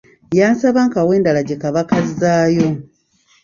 Yansaba nkawe endala gye kaba kazzaayo.